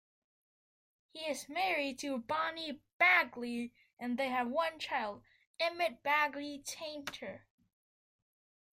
He is married to Bonnie Bagley and they have one child, Emmet Bagley Tainter.